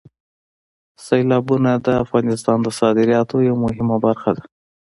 سیلابونه د افغانستان د صادراتو یوه مهمه برخه ده.